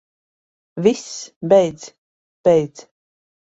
Viss, beidz. Beidz.